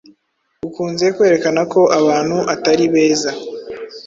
Ukunze kwerekana ko abantu atari beza.